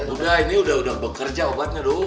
udah ini udah udah bekerja obatnya dong